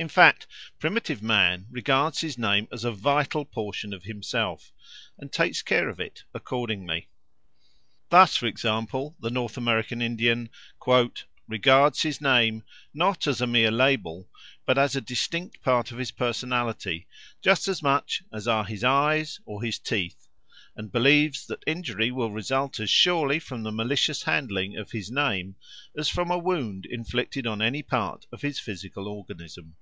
In fact, primitive man regards his name as a vital portion of himself and takes care of it accordingly. Thus, for example, the North American Indian "regards his name, not as a mere label, but as a distinct part of his personality, just as much as are his eyes or his teeth, and believes that injury will result as surely from the malicious handling of his name as from a wound inflicted on any part of his physical organism.